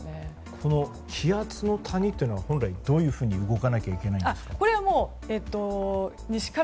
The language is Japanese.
この気圧の谷というのは本来、どういうふうに動かないといけないんですか。